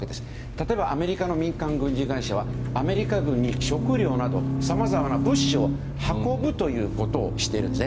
例えばアメリカの民間軍事会社はアメリカ軍に食糧などさまざまな物資を運ぶということをしているんです。